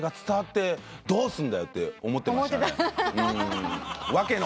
「伝わってどうすんだよ？」